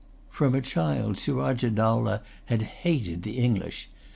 From a child Surajah Dowlah had hated the English.